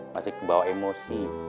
masih kebawa emosi